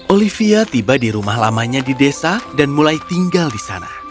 olivia tiba di rumah lamanya di desa dan mulai tinggal di sana